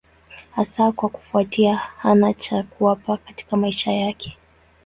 Hasa kwa kufuatia hana cha kuwapa katika maisha yake.